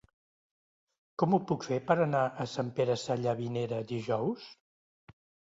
Com ho puc fer per anar a Sant Pere Sallavinera dijous?